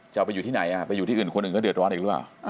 เอาไปอยู่ที่ไหนไปอยู่ที่อื่นคนอื่นก็เดือดร้อนอีกหรือเปล่า